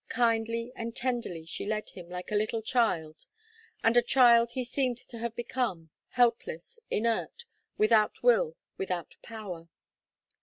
Kindly and tenderly she led him, like a little child, and a child he seemed to have become, helpless, inert without will, without power.